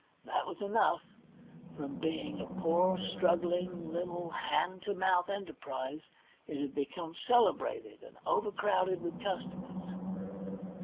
That was enough. From being a poor, strugghng, little hand to mouth enterprise, it had become celebrated, and overcrowded with customers.